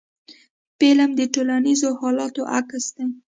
فلم د ټولنیزو حالاتو عکس دی